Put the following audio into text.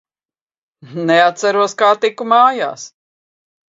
Neatceros, kā tiku mājās.